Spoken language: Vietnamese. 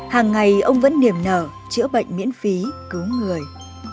hàng ngày ông vẫn niềm nở chữa bệnh miễn phí cứu người